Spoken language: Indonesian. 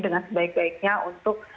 dengan sebaik baiknya untuk